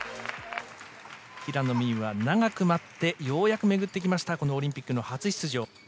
平野美宇は長く待って、ようやく巡ってきました、このオリンピックの初出場。